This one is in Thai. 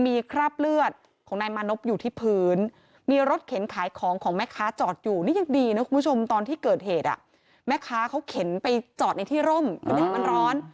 แม้คะเขาเข็นไปจอดในที่ร่มก็ทำให้มันร้อน